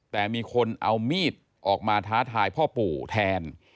แต่มีคนเอามีดออกมาท้าทายพ่อปู่แทน